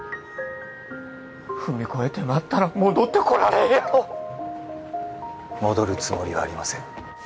踏み越えてまったら戻ってこられんやろ戻るつもりはありません